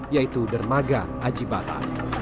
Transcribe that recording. yaitu dermaga aji bata